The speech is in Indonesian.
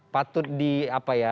patut di apa ya